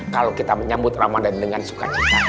kalau kita menyambut ramadan dengan suka cinta